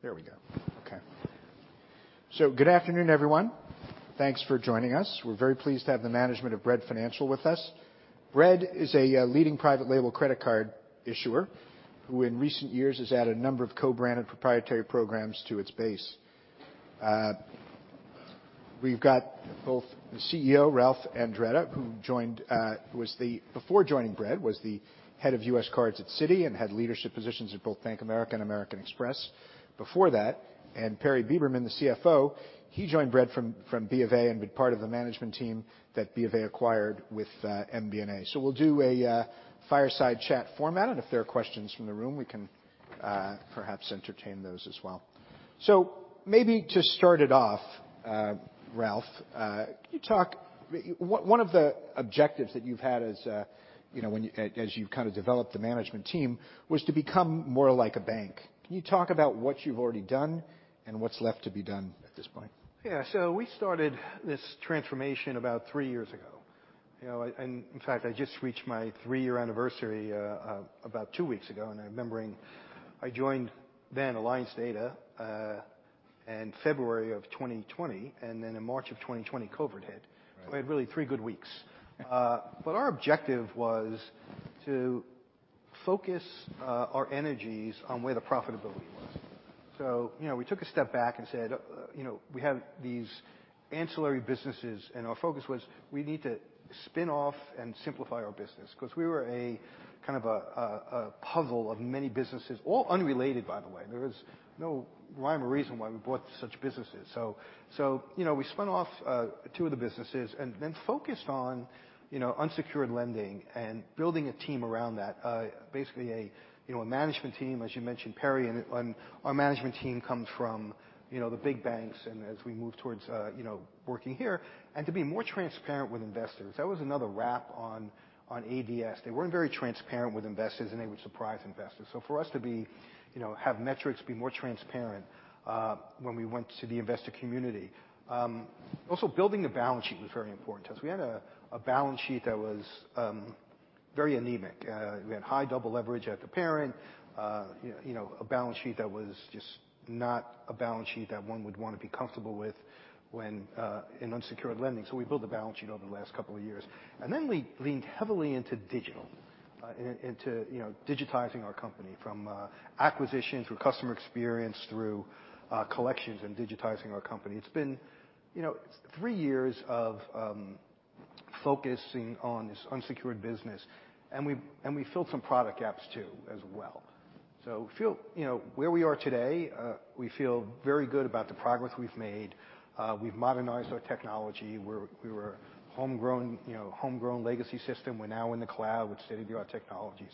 There we go. Okay. Good afternoon, everyone. Thanks for joining us. We're very pleased to have the management of Bread Financial with us. Bread is a leading private label credit card issuer who in recent years has added a number of co-branded proprietary programs to its base. We've got both the CEO, Ralph Andretta, who before joining Bread, was the head of U.S. cards at Citi and had leadership positions at both Bank of America and American Express before that. Perry Beberman, the CFO, he joined Bread from B of A, and been part of the management team that B of A acquired with MBNA. We'll do a fireside chat format, and if there are questions from the room, we can perhaps entertain those as well. Maybe to start it off, Ralph, can you talk One of the objectives that you've had as a, you know, when you as you've kinda developed the management team was to become more like a bank. Can you talk about what you've already done and what's left to be done at this point? Yeah. We started this transformation about 3 years ago, you know. In fact, I just reached my three-year anniversary about two weeks ago. I'm remembering I joined then Alliance Data in February of 2020, and then in March of 2020 COVID hit. Right. We had really three good weeks. Our objective was to focus our energies on where the profitability was. You know, we took a step back and said, "You know, we have these ancillary businesses," and our focus was we need to spin off and simplify our business. 'Cause we were a, kind of a puzzle of many businesses, all unrelated, by the way. There was no rhyme or reason why we bought such businesses. You know, we spun off two of the businesses and then focused on, you know, unsecured lending and building a team around that. Basically a, you know, a management team, as you mentioned, Perry, and our management team comes from, you know, the big banks, and as we move towards, you know, working here. To be more transparent with investors. That was another wrap on ADS. They weren't very transparent with investors, and they would surprise investors. For us to be, you know, have metrics, be more transparent, when we went to the investor community. Also building a balance sheet was very important to us. We had a balance sheet that was very anemic. We had high double leverage at the parent. You know, a balance sheet that was just not a balance sheet that one would wanna be comfortable with when in unsecured lending. We built a balance sheet over the last couple of years. Then we leaned heavily into digital, and to, you know, digitizing our company from acquisition, through customer experience, through collections and digitizing our company. It's been, you know, three years of focusing on this unsecured business. We filled some product gaps too as well. You know, where we are today, we feel very good about the progress we've made. We've modernized our technology. We were homegrown, you know, homegrown legacy system. We're now in the cloud with state-of-the-art technology.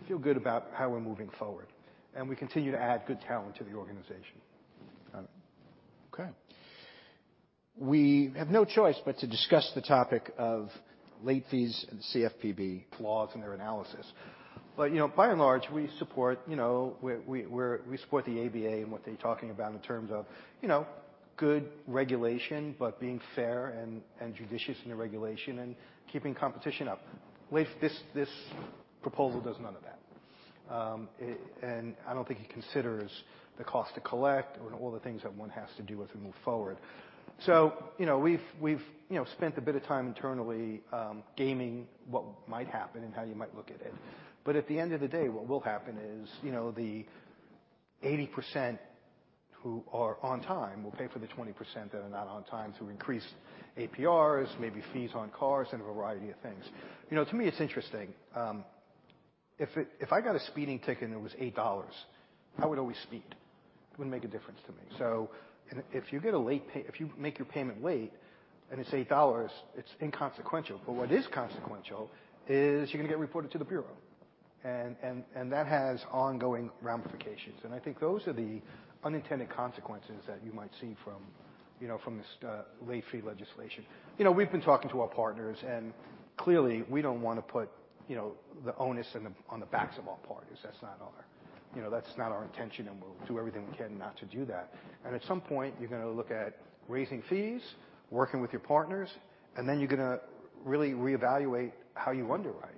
We feel good about how we're moving forward, and we continue to add good talent to the organization. Got it. Okay. We have no choice but to discuss the topic of late fees and CFPB flaws in their analysis. You know, by and large, we support, you know, we support the ABA and what they're talking about in terms of, you know, good regulation, but being fair and judicious in the regulation and keeping competition up. This proposal does none of that. I don't think it considers the cost to collect or all the things that one has to do as we move forward. You know, we've, you know, spent a bit of time internally, gaming what might happen and how you might look at it. At the end of the day, what will happen is, you know, the 80% who are on time will pay for the 20% that are not on time through increased APRs, maybe fees on cars and a variety of things. You know, to me, it's interesting. If I got a speeding ticket and it was $8, I would always speed. It wouldn't make a difference to me. If you make your payment late and it's $8, it's inconsequential. What is consequential is you're gonna get reported to the bureau. That has ongoing ramifications. I think those are the unintended consequences that you might see from, you know, from this late fee legislation. You know, we've been talking to our partners, and clearly, we don't wanna put, you know, the onus on the backs of our partners. You know, that's not our intention, and we'll do everything we can not to do that. At some point, you're gonna look at raising fees, working with your partners, and then you're gonna really reevaluate how you underwrite.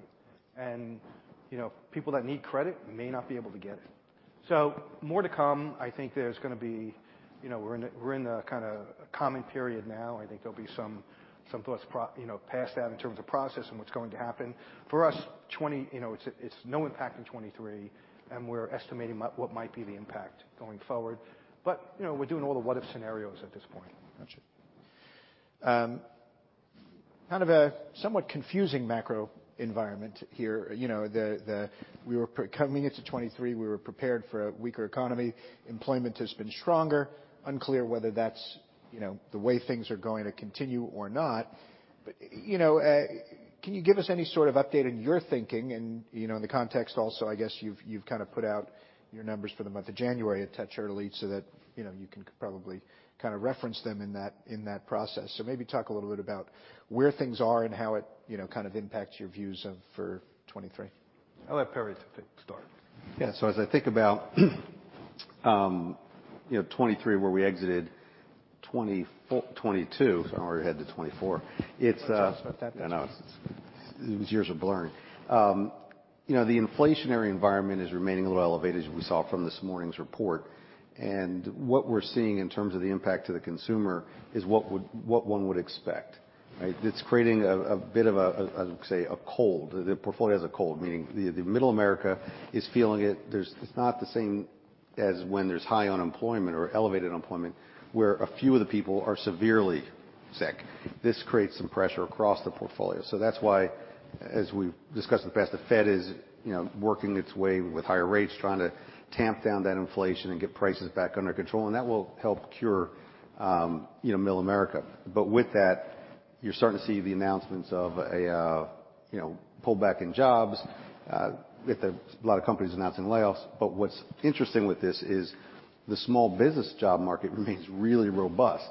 You know, people that need credit may not be able to get it. More to come. You know, we're in a kinda comment period now. I think there'll be some thoughts you know, past that in terms of process and what's going to happen. For us, You know, it's no impact in 2023, and we're estimating what might be the impact going forward. You know, we're doing all the what-if scenarios at this point. Gotcha. kind of a somewhat confusing macro environment here. You know, We were coming into 2023, we were prepared for a weaker economy. Employment has been stronger. Unclear whether that's, you know, the way things are going to continue or not. You know, can you give us any sort of update on your thinking and, you know, in the context also, I guess you've kinda put out your numbers for the month of January a touch early so that, you know, you can probably kinda reference them in that process. Maybe talk a little bit about where things are and how it, you know, kinda impacts your views of for 2023. I'll let Perry take start. Yeah. As I think about, you know, 2023 where we exited. 2022. I already headed to 2024. It's. Why don't you just start that then? I know. It's just these years are blurring. You know, the inflationary environment is remaining a little elevated as we saw from this morning's report. What we're seeing in terms of the impact to the consumer is what one would expect, right? It's creating a bit of a, I would say a cold. The portfolio has a cold, meaning the middle America is feeling it. It's not the same as when there's high unemployment or elevated unemployment, where a few of the people are severely sick. This creates some pressure across the portfolio. That's why, as we've discussed in the past, the Fed is, you know, working its way with higher rates, trying to tamp down that inflation and get prices back under control. That will help cure, you know, middle America. With that, you're starting to see the announcements of a, you know, pullback in jobs, with a lot of companies announcing layoffs. What's interesting with this is the small business job market remains really robust.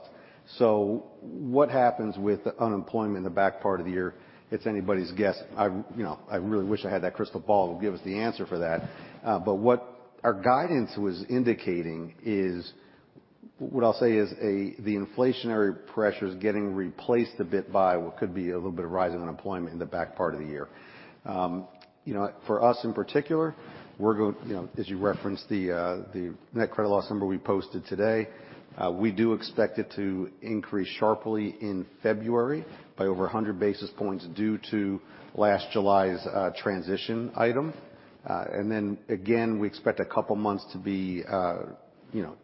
What happens with unemployment in the back part of the year, it's anybody's guess. I, you know, I really wish I had that crystal ball that will give us the answer for that. What our guidance was indicating is what I'll say is the inflationary pressure is getting replaced a bit by what could be a little bit of rise in unemployment in the back part of the year. You know, for us, in particular, we're going, you know, as you referenced the net credit loss number we posted today, we do expect it to increase sharply in February by over 100 basis points due to last July's transition item. Then again, we expect a couple months to be, you know,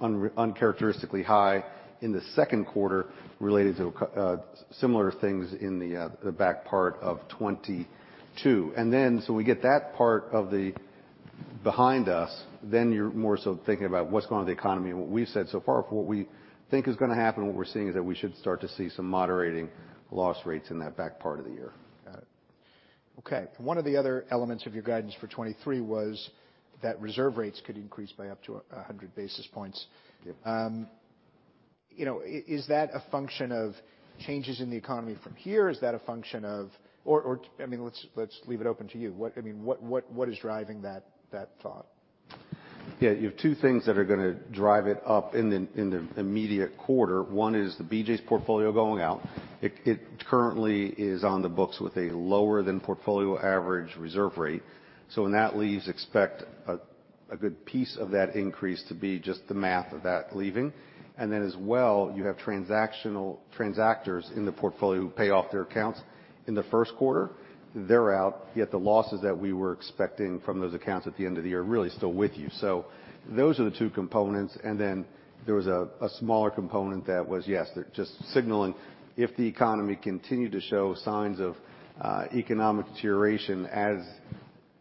uncharacteristically high in the Q2 related to similar things in the back part of 2022. We get that part of the behind us, then you're more so thinking about what's going on with the economy. What we've said so far for what we think is gonna happen and what we're seeing is that we should start to see some moderating loss rates in that back part of the year. Got it. Okay. One of the other elements of your guidance for 2023 was that reserve rates could increase by up to 100 basis points. Yep. You know, is that a function of changes in the economy from here? Is that a function of? I mean, let's leave it open to you. What, I mean, what is driving that thought? You have two things that are gonna drive it up in the immediate quarter. One is the BJ's portfolio going out. It currently is on the books with a lower than portfolio average reserve rate. When that leaves, expect a good piece of that increase to be just the math of that leaving. Then as well, you have transactors in the portfolio who pay off their accounts in the Q1. They're out, yet the losses that we were expecting from those accounts at the end of the year are really still with you. Those are the two components. There was a smaller component that was, yes, they're just signaling if the economy continued to show signs of economic deterioration as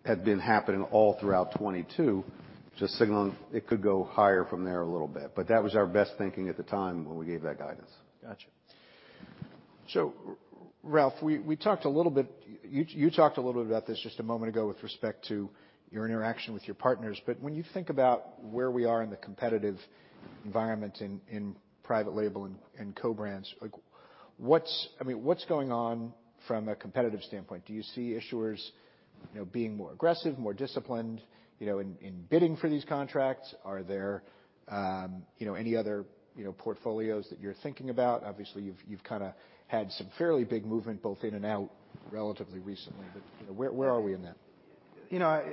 had been happening all throughout 2022, just signaling it could go higher from there a little bit. That was our best thinking at the time when we gave that guidance. Gotcha. Ralph, we talked a little bit. You talked a little bit about this just a moment ago with respect to your interaction with your partners. When you think about where we are in the competitive environment in private label and co-brands, like I mean, what's going on from a competitive standpoint? Do you see issuers, you know, being more aggressive, more disciplined, you know, in bidding for these contracts? Are there, you know, any other, you know, portfolios that you're thinking about? Obviously, you've kinda had some fairly big movement both in and out relatively recently. You know, where are we in that? You know,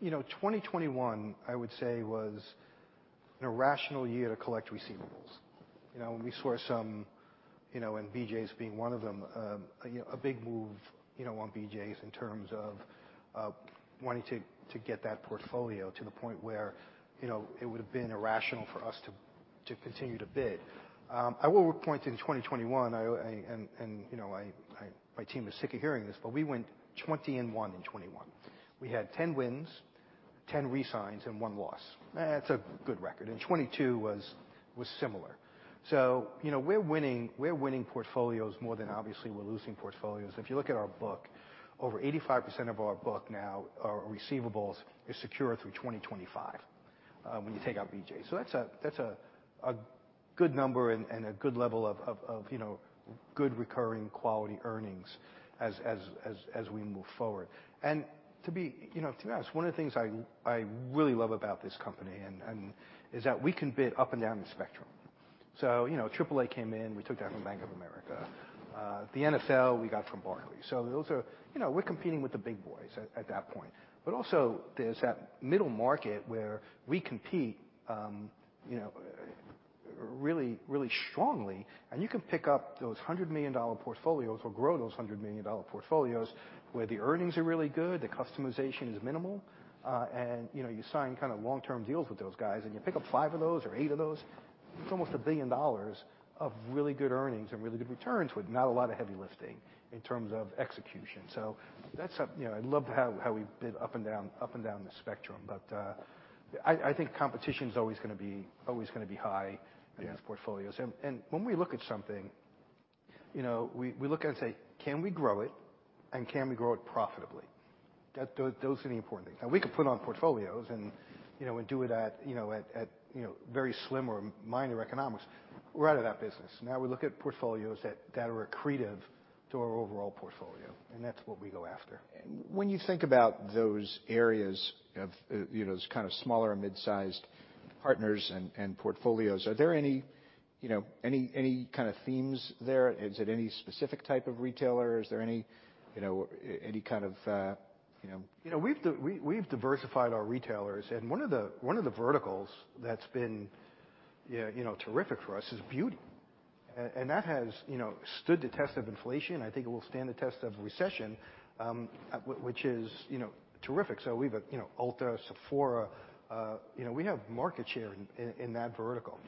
you know, 2021, I would say, was an irrational year to collect receivables. You know, we saw some, you know, and BJ's being one of them, you know, a big move, you know, on BJ's in terms of wanting to get that portfolio to the point where, you know, it would've been irrational for us to continue to bid. I will point to in 2021, I, and, you know, my team is sick of hearing this, but we went 20 and one in 2021. We had 10 wins, 10 re-signs and one loss. Eh, it's a good record. And 2022 was similar. You know, we're winning, we're winning portfolios more than obviously we're losing portfolios. If you look at our book, over 85% of our book now are receivables is secure through 2025, when you take out BJ's. That's a good number and a good level of, you know, good recurring quality earnings as we move forward. To be, you know, to be honest, one of the things I really love about this company is that we can bid up and down the spectrum. You know, AAA came in, we took that from Bank of America. The NFL, we got from Barclays. Those are, you know, we're competing with the big boys at that point. Also there's that middle market where we compete, you know, really strongly. You can pick up those $100 million portfolios or grow those $100 million portfolios where the earnings are really good, the customization is minimal. You know, you sign kind of long-term deals with those guys, and you pick up five of those or eight of those, it's almost $1 billion of really good earnings and really good returns with not a lot of heavy lifting in terms of execution. That's something. You know, I love how we bid up and down, up and down the spectrum. I think competition's always gonna be high. Yeah in these portfolios. When we look at something, you know, we look at it and say, "Can we grow it, and can we grow it profitably?" Those are the important things. We could put on portfolios and, you know, do it at, you know, very slim or minor economics. We're out of that business. We look at portfolios that are accretive to our overall portfolio, and that's what we go after. When you think about those areas of, you know, those kind of smaller mid-sized partners and portfolios. Are there any, you know, any kind of themes there? Is it any specific type of retailer? Is there any, you know, any kind of, you know? You know, we've diversified our retailers. One of the, one of the verticals that's been you know, terrific for us is beauty. That has, you know, stood the test of inflation. I think it will stand the test of recession, which is, you know, terrific. We've, you know, Ulta, Sephora, you know, we have market share in that vertical.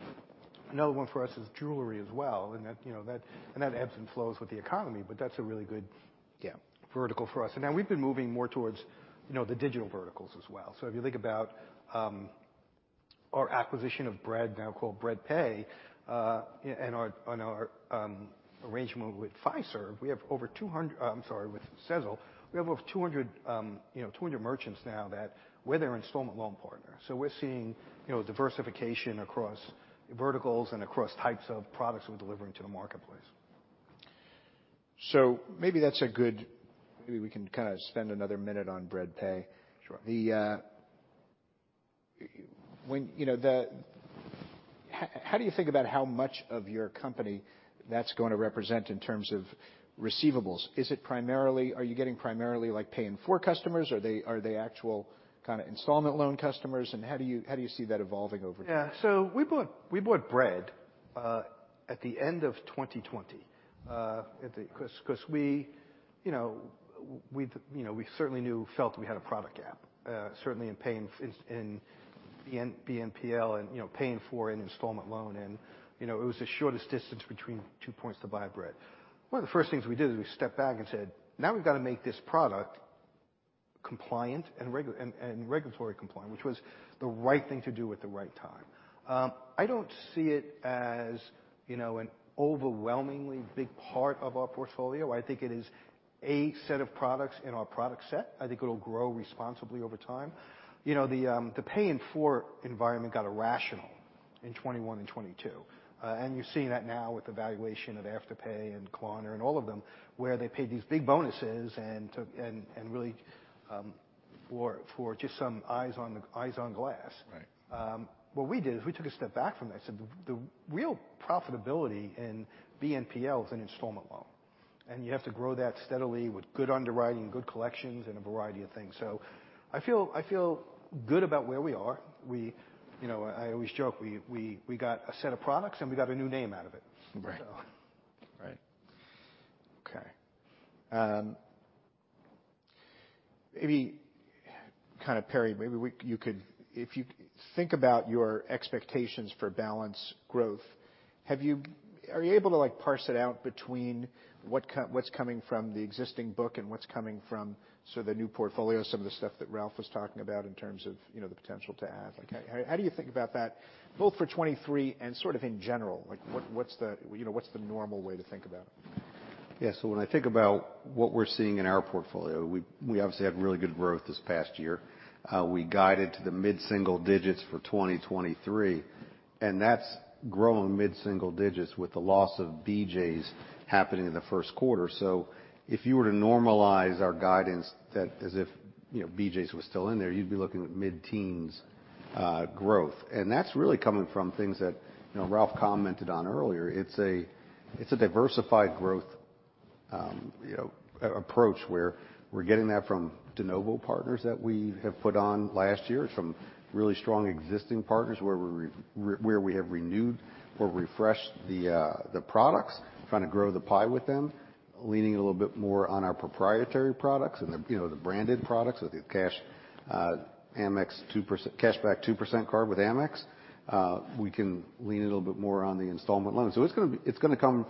Another one for us is jewelry as well. That, you know, that ebbs and flows with the economy, that's a really good Yeah vertical for us. Now we've been moving more towards, you know, the digital verticals as well. If you think about our acquisition of Bread now called Bread Pay, and our, and our arrangement with Fiserv, I'm sorry, with Sezzle. We have over 200, you know, 200 merchants now that we're their installment loan partner. We're seeing, you know, diversification across verticals and across types of products we're delivering to the marketplace. Maybe we can kind of spend another minute on Bread Pay. Sure. When, you know, how do you think about how much of your company that's gonna represent in terms of receivables? Are you getting primarily like pay-in-four customers? Are they actual kind of installment loan customers? How do you see that evolving over time? Yeah. We bought, we bought Bread at the end of 2020. cause we, you know, we felt we had a product gap, certainly in paying in BNPL and, you know, paying for an installment loan. You know, it was the shortest distance between two points to buy Bread. One of the first things we did is we stepped back and said, "Now we've gotta make this product compliant and regulatory compliant," which was the right thing to do at the right time. I don't see it as, you know, an overwhelmingly big part of our portfolio. I think it is a set of products in our product set. I think it'll grow responsibly over time. You know, the pay-in-four environment got irrational in 2021 and 2022. You're seeing that now with the valuation of Afterpay and Klarna and all of them, where they paid these big bonuses and really for just some eyes on glass. Right. What we did is we took a step back from that and said, "The real profitability in BNPL is an installment loan." You have to grow that steadily with good underwriting, good collections, and a variety of things. I feel good about where we are. We, you know, I always joke, we got a set of products, and we got a new name out of it. Right. So. Right. Okay. Maybe kind of Perry, maybe if you think about your expectations for balance growth, are you able to, like, parse it out between what's coming from the existing book and what's coming from the new portfolio, some of the stuff that Ralph was talking about in terms of, you know, the potential to add? Like, how do you think about that both for 2023 and sort of in general? Like what's the, you know, what's the normal way to think about it? Yeah. When I think about what we're seeing in our portfolio, we obviously had really good growth this past year. We guided to the mid-single digits for 2023, and that's growing mid-single digits with the loss of BJ's happening in the Q1. If you were to normalize our guidance that as if, you know, BJ's was still in there, you'd be looking at mid-teens growth. That's really coming from things that, you know, Ralph commented on earlier. It's a, it's a diversified growth, you know, approach, where we're getting that from de novo partners that we have put on last year, from really strong existing partners where we have renewed or refreshed the products, trying to grow the pie with them, leaning a little bit more on our proprietary products and the, you know, the branded products with the cash Amex cashback 2% card with Amex. We can lean a little bit more on the installment loan. It's gonna come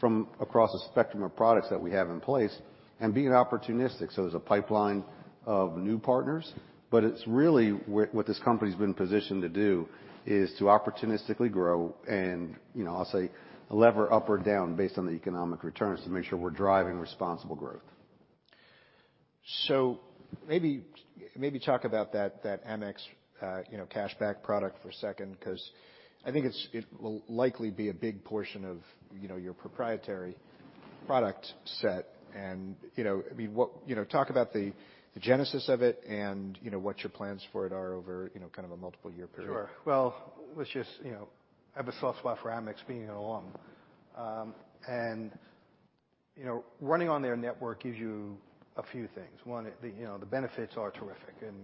from across a spectrum of products that we have in place and being opportunistic. There's a pipeline of new partners, but it's really what this company's been positioned to do is to opportunistically grow and, you know, I'll say lever up or down based on the economic returns to make sure we're driving responsible growth. Maybe talk about that Amex, you know, cashback product for a second, 'cause I think it will likely be a big portion of, you know, your proprietary product set. You know, I mean, what, you know, talk about the genesis of it and, you know, what your plans for it are over, you know, kind of a multiple year period. Sure. Well, let's just, you know, have a soft spot for Amex being an alum. You know, running on their network gives you a few things. One, the, you know, the benefits are terrific and,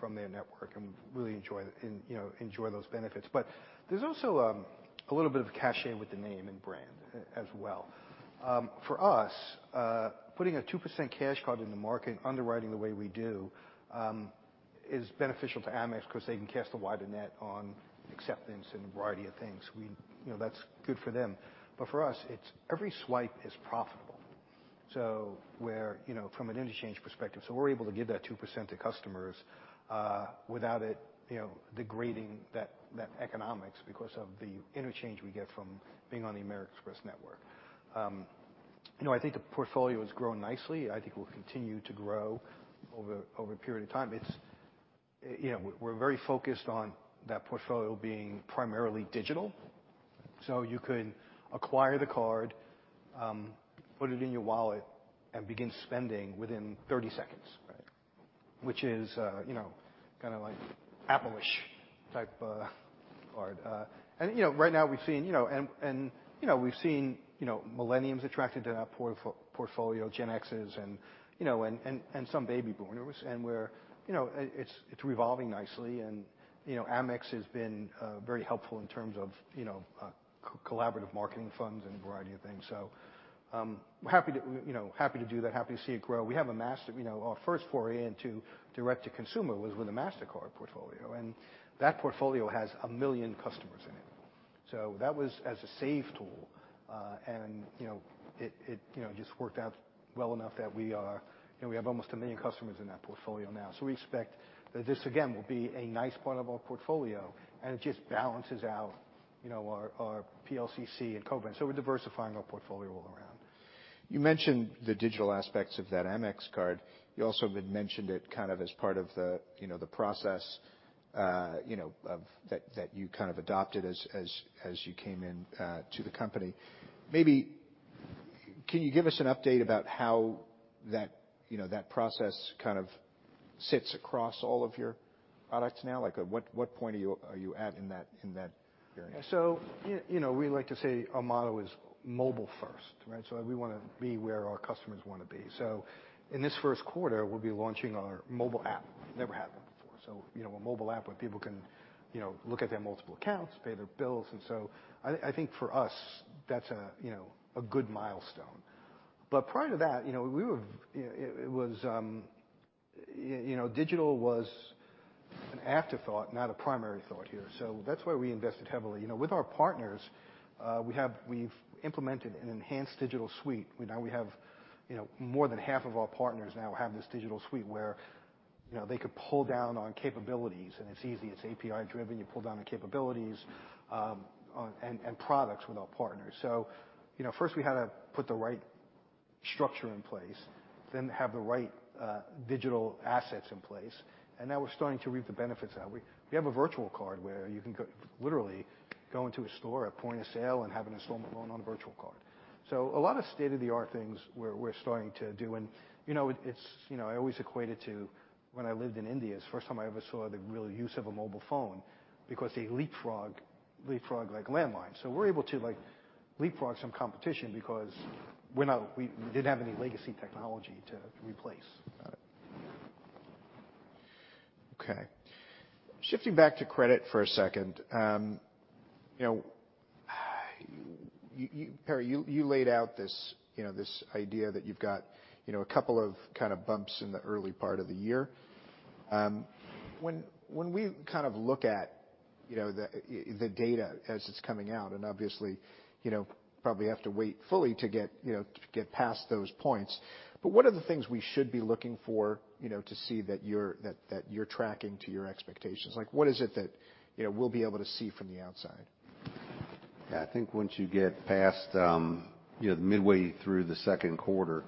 from their network and really enjoy those benefits. There's also, a little bit of a cachet with the name and brand as well. For us, putting a 2% cash card in the market, underwriting the way we do, is beneficial to Amex 'cause they can cast a wider net on acceptance and a variety of things. You know, that's good for them. For us, it's every swipe is profitable. Where, you know, from an interchange perspective. We're able to give that 2% to customers, without it, you know, degrading that economics because of the interchange we get from being on the American Express network. You know, I think the portfolio has grown nicely. I think it will continue to grow over a period of time. It's, you know, we're very focused on that portfolio being primarily digital. So you could acquire the card, put it in your wallet and begin spending within 30 seconds. Right. Which is, you know, kind of like Apple-ish type card. You know, right now we've seen, you know, and you know, we've seen, you know, millennials attracted to our portfolio, Gen Xers and, you know, and some baby boomers, and we're, you know, it's revolving nicely and, you know, Amex has been very helpful in terms of, you know, co-collaborative marketing funds and a variety of things. We're happy to, you know, happy to do that, happy to see it grow. We have a Master, you know, our first foray into direct to consumer was with a Mastercard portfolio, and that portfolio has a million customers in it. That was as a safe tool. You know, it, you know, just worked out well enough that we are, you know, we have almost a million customers in that portfolio now. We expect that this again will be a nice part of our portfolio, and it just balances out, you know, our PLCC and co-brand. We're diversifying our portfolio all around. You mentioned the digital aspects of that Amex card. You also had mentioned it kind of as part of the, you know, the process, you know, that you kind of adopted as you came in to the company. Maybe can you give us an update about how that, you know, that process kind of sits across all of your products now? Like, at what point are you at in that area? You know, we like to say our motto is mobile first, right? We wanna be where our customers wanna be. In this Q1, we'll be launching our mobile app. Never had one before, you know, a mobile app where people can, you know, look at their multiple accounts, pay their bills. I think for us, that's a, you know, a good milestone. Prior to that, you know, we were, it was, you know, digital was an afterthought, not a primary thought here. That's why we invested heavily. You know, with our partners, we've implemented an enhanced digital suite. Now we have, you know, more than half of our partners now have this digital suite where, you know, they could pull down on capabilities, and it's easy. It's API driven. You pull down the capabilities and products with our partners. You know, first we had to put the right structure in place, then have the right digital assets in place, and now we're starting to reap the benefits out. We have a virtual card where you can go, literally go into a store at point of sale and have an installment loan on a virtual card. A lot of state-of-the-art things we're starting to do. You know, it's, you know, I always equate it to when I lived in India. It's the first time I ever saw the real use of a mobile phone because they leapfrog like landlines. We're able to like leapfrog some competition because we didn't have any legacy technology to replace. Got it. Okay. Shifting back to credit for a second. Perry, you laid out this idea that you've got a couple of kind of bumps in the early part of the year. When we kind of look at the data as it's coming out and obviously, probably have to wait fully to get past those points. What are the things we should be looking for, to see that you're tracking to your expectations? Like, what is it that we'll be able to see from the outside? Yeah. I think once you get past, you know, midway through the Q2,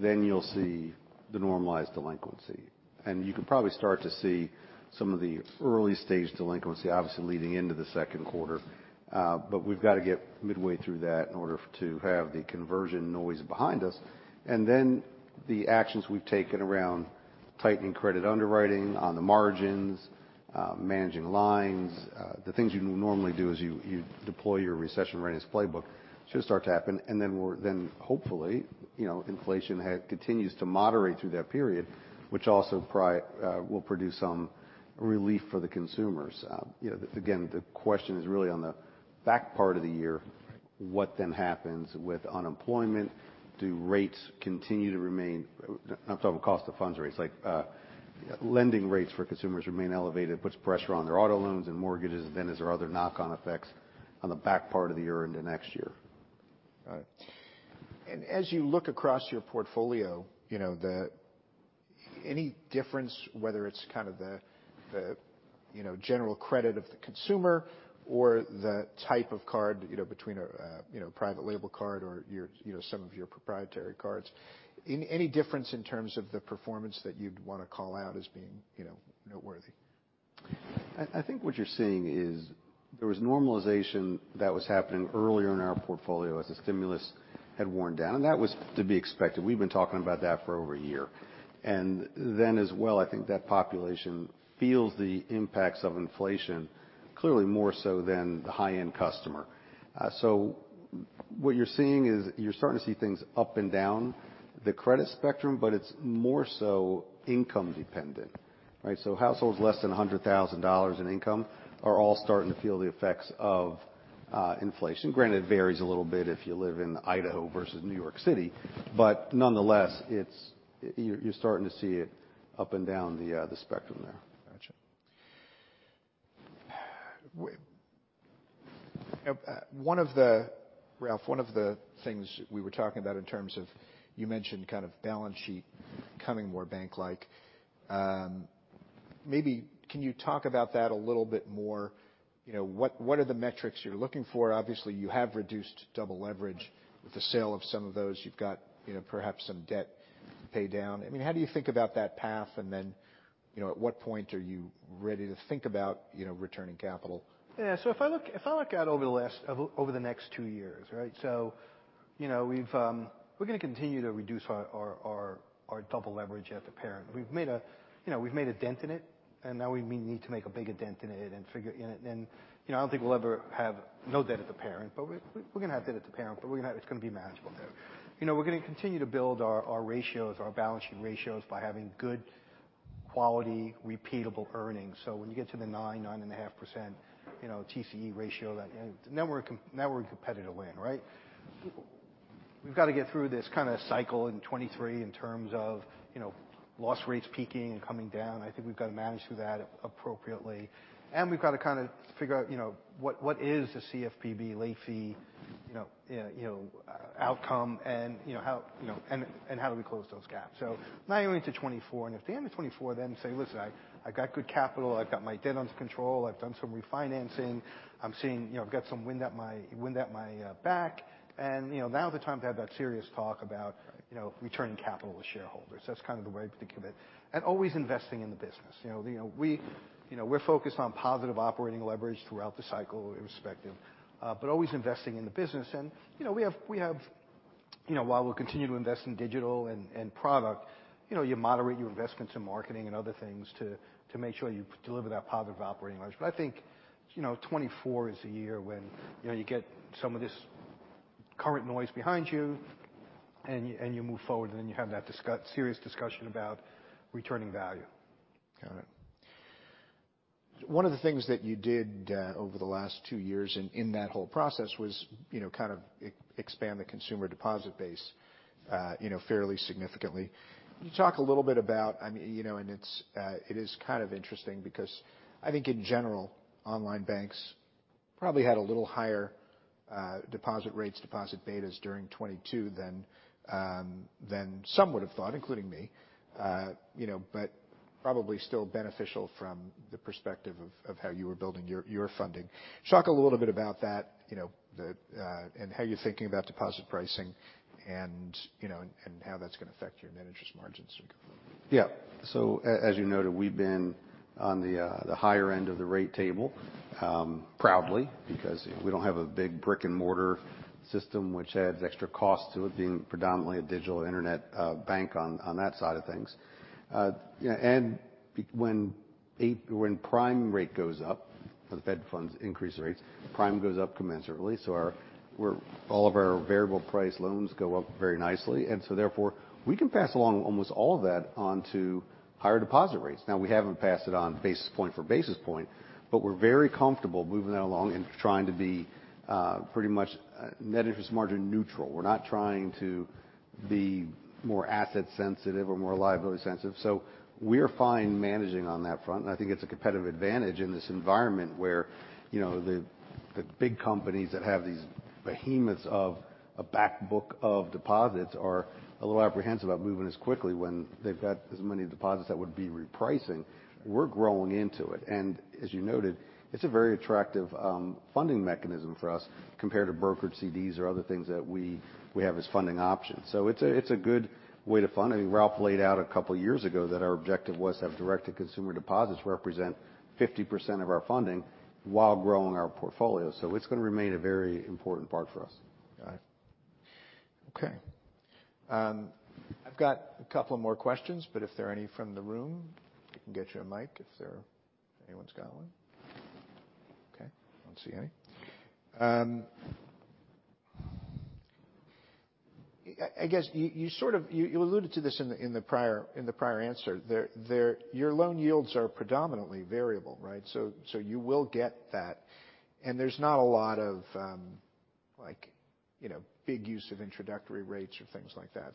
then you'll see the normalized delinquency. You can probably start to see some of the early-stage delinquency obviously leading into the Q2. We've got to get midway through that in order to have the conversion noise behind us. The actions we've taken around tightening credit underwriting on the margins, managing lines, the things you normally do is you deploy your recession readiness playbook should start to happen. Hopefully, you know, inflation continues to moderate through that period, which also will produce some relief for the consumers. You know, again, the question is really on the back part of the year, what then happens with unemployment? Do rates continue to remain? I'm talking about cost of funds rates, like, lending rates for consumers remain elevated, puts pressure on their auto loans and mortgages. Is there other knock-on effects on the back part of the year into next year. Right. As you look across your portfolio, you know, the any difference whether it's kind of the, you know, general credit of the consumer or the type of card, you know, between a, you know, private label card or your, you know, some of your proprietary cards? Any difference in terms of the performance that you'd wanna call out as being, you know, noteworthy? I think what you're seeing is there was normalization that was happening earlier in our portfolio as the stimulus had worn down. That was to be expected. We've been talking about that for over a year. As well, I think that population feels the impacts of inflation clearly more so than the high-end customer. What you're seeing is you're starting to see things up and down the credit spectrum, but it's more so income dependent, right? Households less than $100,000 in income are all starting to feel the effects of inflation. Granted, it varies a little bit if you live in Idaho versus New York City, but nonetheless, it's. You're starting to see it up and down the spectrum there. Gotcha. Ralph, one of the things we were talking about in terms of, you mentioned kind of balance sheet becoming more bank-like. Maybe can you talk about that a little bit more? You know, what are the metrics you're looking for? Obviously, you have reduced double leverage with the sale of some of those. You've got, you know, perhaps some debt pay down. I mean, how do you think about that path and then, you know, at what point are you ready to think about, you know, returning capital? Yeah. If I look out over the next two years, right? You know, we've, we're gonna continue to reduce our double leverage at the parent. We've made a, you know, dent in it. Now we need to make a bigger dent in it figure, you know, I don't think we'll ever have no debt at the parent, but we're gonna have debt at the parent, but we're gonna have manageable debt. You know, we're gonna continue to build our ratios, our balance sheet ratios by having good quality, repeatable earnings. When you get to the 9.5%, you know, TCE ratio that, you know, now we're competitive land, right? We've got to get through this kind of cycle in 2023 in terms of, you know, loss rates peaking and coming down. I think we've got to manage through that appropriately. We've got to kinda figure out, you know, what is the CFPB late fee, you know, outcome and, you know, how, and how do we close those gaps. Now you're into 2024, and at the end of 2024, then say, "Listen, I've got good capital, I've got my debt under control, I've done some refinancing. I'm seeing, you know, I've got some wind at my back." You know, now is the time to have that serious talk about, you know, returning capital to shareholders. That's kind of the way I think of it. Always investing in the business. You know, we're focused on positive operating leverage throughout the cycle irrespective, but always investing in the business. You know, we have, you know, while we continue to invest in digital and product, you know, you moderate your investments in marketing and other things to make sure you deliver that positive operating leverage. I think, you know, 2024 is a year when, you know, you get some of this current noise behind you and you move forward, and then you have that serious discussion about returning value. Got it. One of the things that you did over the last two years in that whole process was, you know, kind of expand the consumer deposit base, you know, fairly significantly. Can you talk a little bit about, I mean, you know, and it's, it is kind of interesting because I think in general, online banks probably had a little higher, deposit rates, deposit betas during 2022 than some would have thought, including me. You know, but probably still beneficial from the perspective of how you were building your funding. Just talk a little bit about that, you know, the, and how you're thinking about deposit pricing and you know, and how that's gonna affect your net interest margins going forward. As you noted, we've been on the higher end of the rate table, proudly, because we don't have a big brick-and-mortar system which adds extra cost to it being predominantly a digital Internet bank on that side of things. You know, when prime rate goes up, as the Fed funds increase rates, prime goes up commensurately. All of our variable price loans go up very nicely, and therefore, we can pass along almost all of that onto higher deposit rates. We haven't passed it on basis point for basis point, but we're very comfortable moving that along and trying to be pretty much net interest margin neutral. We're not trying to be more asset sensitive or more liability sensitive, so we're fine managing on that front. I think it's a competitive advantage in this environment where, you know, the big companies that have these behemoths of a back book of deposits are a little apprehensive about moving as quickly when they've got as many deposits that would be repricing. We're growing into it. As you noted, it's a very attractive funding mechanism for us compared to brokered CDs or other things that we have as funding options. It's a good way to fund. I think Ralph laid out a couple of years ago that our objective was to have directed consumer deposits represent 50% of our funding while growing our portfolio. It's gonna remain a very important part for us. Got it. Okay. I've got a couple more questions, if there are any from the room. We can get you a mic if anyone's got one. Okay. I don't see any. I guess you sort of, you alluded to this in the prior answer. Your loan yields are predominantly variable, right? You will get that. There's not a lot of, like, you know, big use of introductory rates or things like that.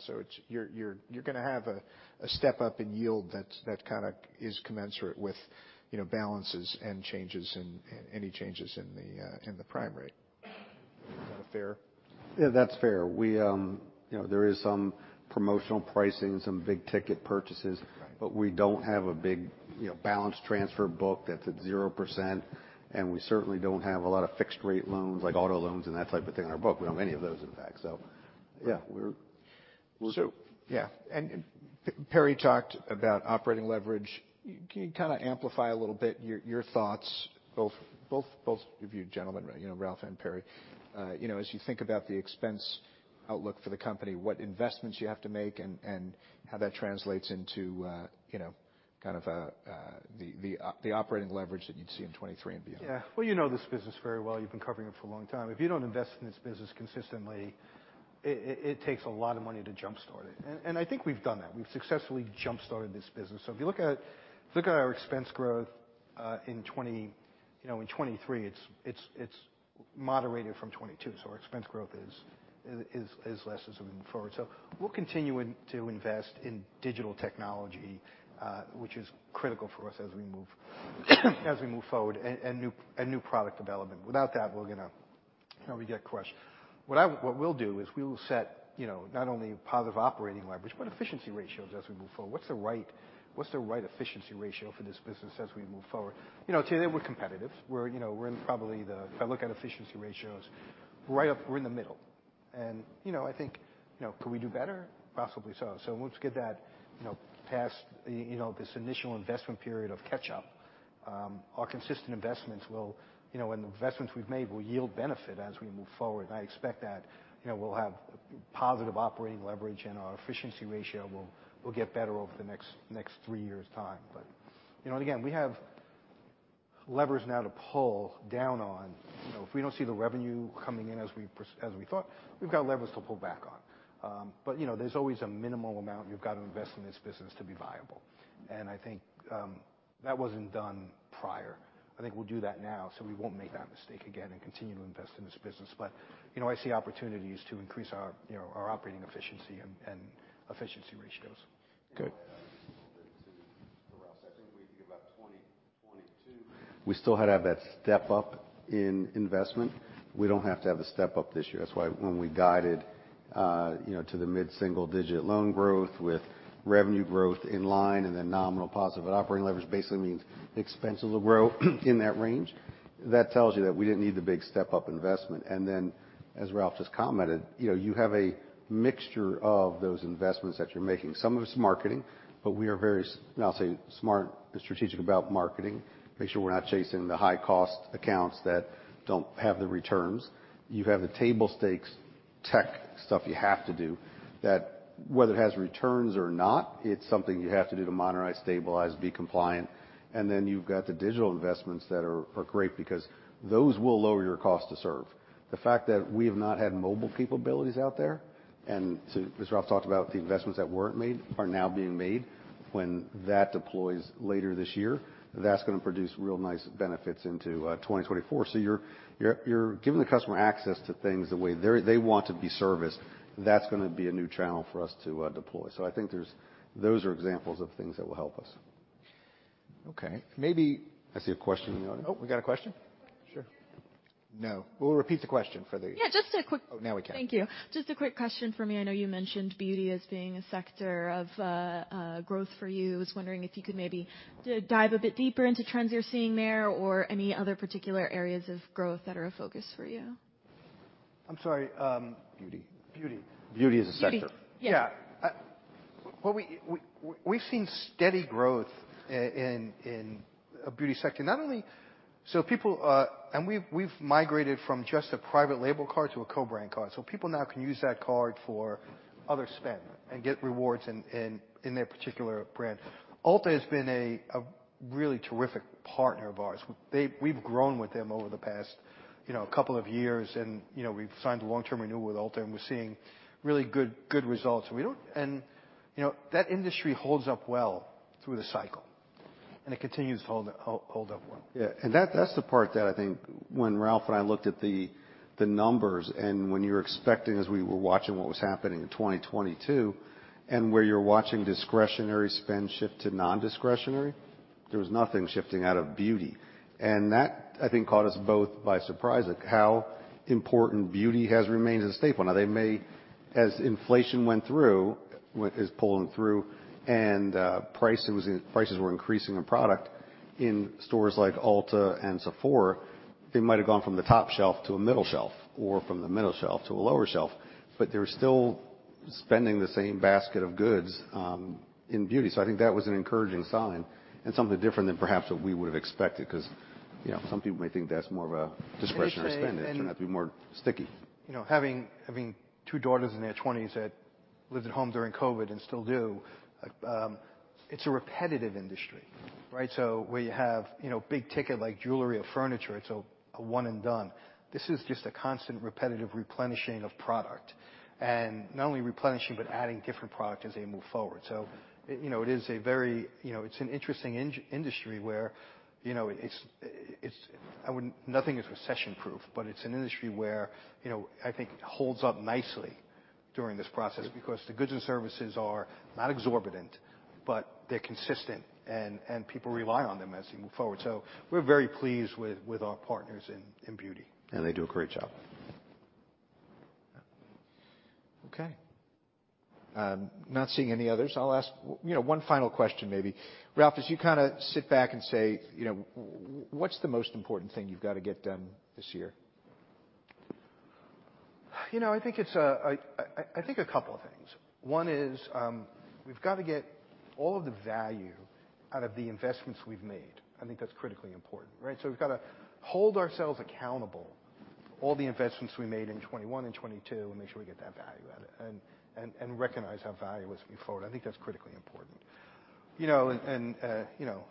You're gonna have a step up in yield that kinda is commensurate with, you know, balances and any changes in the prime rate. Is that fair? Yeah, that's fair. We, you know, there is some promotional pricing, some big ticket purchases. Right. We don't have a big, you know, balance transfer book that's at 0%, and we certainly don't have a lot of fixed rate loans like auto loans and that type of thing in our book. We don't have any of those, in fact. Yeah, we're. Yeah. Perry talked about operating leverage. Can you kinda amplify a little bit your thoughts, both of you gentlemen, you know, Ralph and Perry. You know, as you think about the expense outlook for the company, what investments you have to make and how that translates into, you know, kind of, the operating leverage that you'd see in 2023 and beyond. Yeah. Well, you know this business very well. You've been covering it for a long time. If you don't invest in this business consistently, it takes a lot of money to jump-start it. I think we've done that. We've successfully jump-started this business. If you look at our expense growth in 2023, it's moderated from 2022. Our expense growth is less as we move forward. We're continuing to invest in digital technology, which is critical for us as we move forward, and new product development. Without that, we're gonna, you know, we get crushed. What we'll do is we will set, you know, not only positive operating leverage, but efficiency ratios as we move forward. What's the right efficiency ratio for this business as we move forward? You know, today we're competitive. We're, you know, we're probably the if I look at efficiency ratios, right up, we're in the middle. And, you know, I think, you know, could we do better? Possibly so. So once we get that, you know, past, you know, this initial investment period of catch-up, our consistent investments will, you know, and the investments we've made will yield benefit as we move forward. I expect that, you know, we'll have positive operating leverage, and our efficiency ratio will get better over the next three years' time. You know, and again, we have levers now to pull down on, you know, if we don't see the revenue coming in as we thought, we've got levers to pull back on. You know, there's always a minimal amount you've got to invest in this business to be viable. I think, that wasn't done prior. I think we'll do that now, so we won't make that mistake again and continue to invest in this business. You know, I see opportunities to increase our, you know, our operating efficiency and efficiency ratios. Good. For us, I think we think about 2022, we still had to have that step up in investment. We don't have to have the step up this year. That's why when we guided, you know, to the mid-single-digit loan growth with revenue growth in line and then nominal positive operating leverage basically means expenses will grow in that range. That tells you that we didn't need the big step up investment. As Ralph just commented, you know, you have a mixture of those investments that you're making. Some of it's marketing, but we are very smart and strategic about marketing. Make sure we're not chasing the high-cost accounts that don't have the returns. You have the table stakes tech stuff you have to do that whether it has returns or not, it's something you have to do to modernize, stabilize, be compliant. Then you've got the digital investments that are great because those will lower your cost to serve. The fact that we have not had mobile capabilities out there, and so as Ralph talked about the investments that weren't made are now being made. When that deploys later this year, that's gonna produce real nice benefits into 2024. You're giving the customer access to things the way they want to be serviced. That's gonna be a new channel for us to deploy. I think there's, those are examples of things that will help us. Okay. I see a question in the audience. Oh, we got a question? Sure. No. We'll repeat the question. Yeah, just a quick, Oh, now we can. Thank you. Just a quick question for me. I know you mentioned beauty as being a sector of growth for you. Was wondering if you could maybe dive a bit deeper into trends you're seeing there or any other particular areas of growth that are a focus for you? I'm sorry. Beauty. Beauty. Beauty is a sector. Beauty. Yeah. Yeah. Well, we've seen steady growth in a beauty sector. We've migrated from just a private label card to a co-brand card. People now can use that card for other spend and get rewards in their particular brand. Ulta has been a really terrific partner of ours. We've grown with them over the past, you know, couple of years and, you know, we've signed a long-term renewal with Ulta, and we're seeing really good results. You know, that industry holds up well through the cycle, and it continues to hold up well. Yeah. That, that's the part that I think when Ralph and I looked at the numbers and when you're expecting as we were watching what was happening in 2022, and where you're watching discretionary spend shift to non-discretionary, there was nothing shifting out of beauty. That, I think, caught us both by surprise, like how important beauty has remained as a staple. Now they made as inflation went through, is pulling through, and prices were increasing in product in stores like Ulta and Sephora, they might have gone from the top shelf to a middle shelf or from the middle shelf to a lower shelf, but they were still spending the same basket of goods in beauty. I think that was an encouraging sign and something different than perhaps what we would have expected 'cause, you know, some people may think that's more of a discretionary spend. They say. It turned out to be more sticky. You know, having two daughters in their 20s that lived at home during COVID and still do, it's a repetitive industry, right? Where you have, you know, big ticket like jewelry or furniture, it's a one and done. This is just a constant repetitive replenishing of product. Not only replenishing, but adding different product as they move forward. You know, it is a very, you know, it's an interesting industry where, you know, it's nothing is recession-proof, but it's an industry where, you know, I think holds up nicely during this process because the goods and services are not exorbitant, but they're consistent and people rely on them as you move forward. We're very pleased with our partners in beauty. They do a great job. Okay. Not seeing any others. I'll ask, you know, one final question, maybe. Ralph, as you kinda sit back and say, you know, what's the most important thing you've got to get done this year? You know, I think a couple of things. One is, we've got to get all of the value out of the investments we've made. I think that's critically important, right? We've got to hold ourselves accountable all the investments we made in 2021 and 2022, and make sure we get that value out of it, and recognize how value was before. I think that's critically important. You know, you know,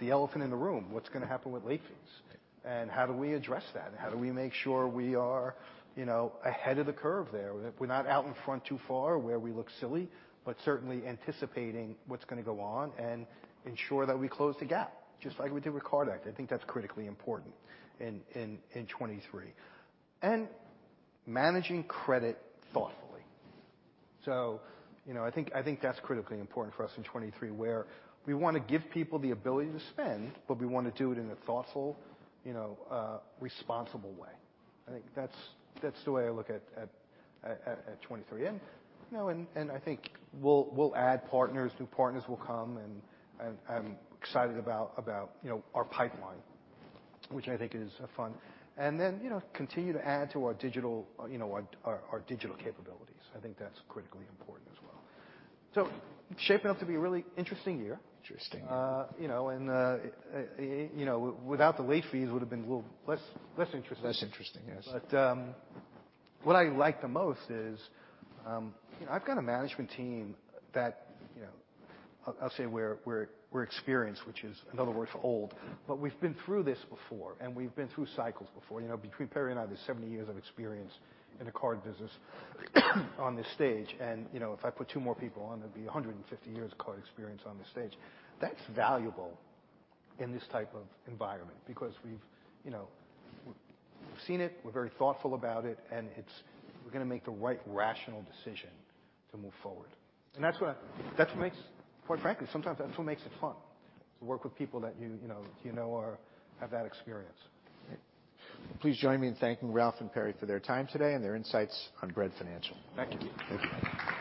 the elephant in the room, what's gonna happen with late fees? How do we address that? How do we make sure we are, you know, ahead of the curve there? We're not out in front too far where we look silly, but certainly anticipating what's gonna go on and ensure that we close the gap, just like we did with Card Act. I think that's critically important in 2023. Managing credit thoughtfully. You know, I think that's critically important for us in 2023, where we wanna give people the ability to spend, but we wanna do it in a thoughtful, you know, responsible way. I think that's the way I look at 2023. You know, and I think we'll add partners, new partners will come, and I'm excited about, you know, our pipeline, which I think is fun. You know, continue to add to our digital, you know, our digital capabilities. I think that's critically important as well. Shaping up to be a really interesting year Interesting. you know, you know, without the late fees, would have been a little less interesting. Less interesting, yes. What I like the most is, you know, I've got a management team that, you know, I'll say we're experienced, which is in other words, old, but we've been through this before, and we've been through cycles before. You know, between Perry and I, there's 70 years of experience in the card business on this stage. You know, if I put two more people on, there'd be 150 years of card experience on this stage. That's valuable in this type of environment because we've, you know, we've seen it, we're very thoughtful about it, and we're gonna make the right rational decision to move forward. That's what makes. Quite frankly, sometimes that's what makes it fun to work with people that you know are have that experience. Please join me in thanking Ralph and Perry for their time today and their insights on Bread Financial. Thank you. Thank you.